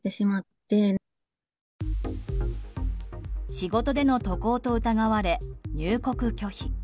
仕事での渡航と疑われ入国拒否。